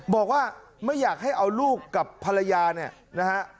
บอกว่าไม่อยากให้เอาลูกกับภรรยาเนี่ยนะฮะ